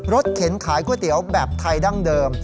เข็นขายก๋วยเตี๋ยวแบบไทยดั้งเดิม